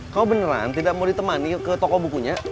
kau beneran tidak mau ditemani ke toko bukunya